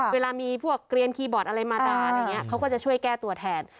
เวลามีพวกเกลียนคีย์บอร์ดอะไรมาด่าอะไรอย่างนี้เขาก็จะช่วยแก้ตัวแทน